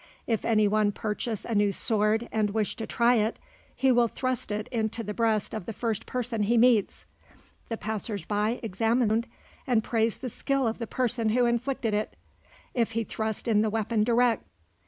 If any one purchase a new sword, and wish to try it, he will thrust it into the breast of the first person he meets. The passers by examine the wound, and praise the skill of the person who inflicted it, if he thrust in the weapon direct."